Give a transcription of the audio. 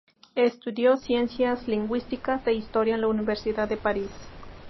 Estudio ciencias lingüísticas e historia en la Universidad de París.